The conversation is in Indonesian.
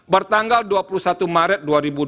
bertanggal dua puluh satu maret dua ribu dua puluh